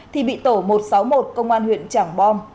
thì bị tổ một trăm sáu mươi một công an huyện trảng bom